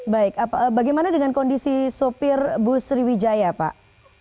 baik bagaimana dengan kondisi sopir bus sriwijaya pak